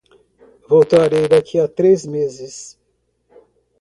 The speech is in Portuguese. Voltarei daqui a três meses.